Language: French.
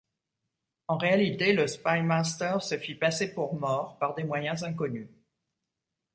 En réalité, le Spymaster se fit passer pour mort, par des moyens inconnus.